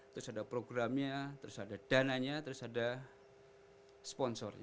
terus ada programnya terus ada dananya terus ada sponsornya